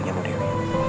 ingin merenyang diri